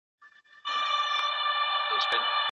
په لاس لیکلنه د تدریس د بریالیتوب تر ټولو ښکاره نښه ده.